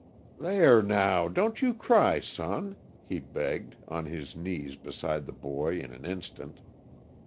"There, now, don't you cry, son!" he begged, on his knees beside the boy in an instant.